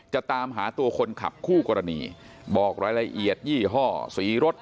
จะตามหาตัวคนขับคู่กรณีบอกรายละเอียดยี่ห้อสีรถ